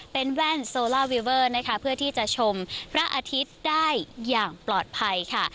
เป็นแว่นโซล่าวิเวอร์นะคะเพื่อที่จะชมพระอาทิตย์ได้อย่างปลอดภัยค่ะ